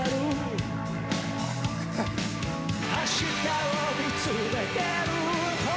「明日を見つめてる」